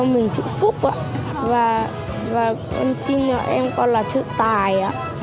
năm nay tôi đến hội chữ là con xin cho mình chữ phúc và con xin cho em con là chữ tài